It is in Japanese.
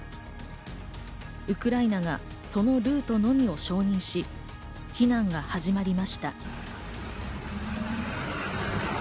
ウクライナがそのルートのみを承認し、避難が始まりました。